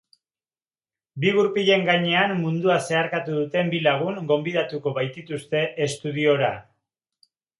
Bi gurpilen gainean mundua zeharkatu duten bi lagun gonbidatuko baitituzte estudiora.